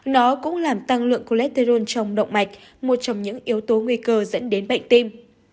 nó cũng làm tăng lượng cholesterol trong động mạch một trong những yếu tố nguy cơ dẫn đến bệnh tim